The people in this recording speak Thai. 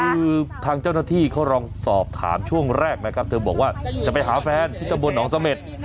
คือทางเจ้าหน้าที่เขาลองสอบถามช่วงแรกนะครับเธอบอกว่าจะไปหาแฟนที่ตำบลหนองเสม็ด